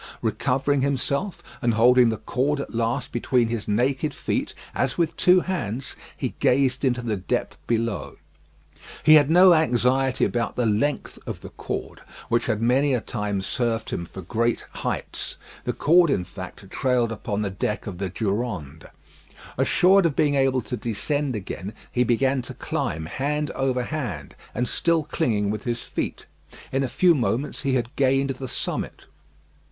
Recovering himself, and holding the cord at last between his naked feet as with two hands, he gazed into the depth below. He had no anxiety about the length of the cord, which had many a time served him for great heights. The cord, in fact, trailed upon the deck of the Durande. Assured of being able to descend again, he began to climb hand over hand, and still clinging with his feet. In a few moments he had gained the summit.